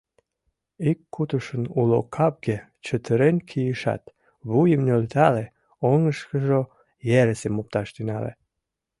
Ик кутышын уло капге чытырен кийышат, вуйым нӧлтале, оҥышкыжо ыресым опташ тӱҥале: